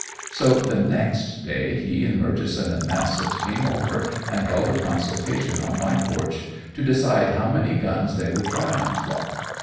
So the next day he and Murchison and Massett came over and held a consultation on my porch to decide how many guns they would try on Fluff.